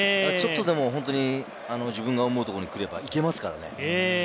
ちょっとでも自分が思うところに来れば行けますからね。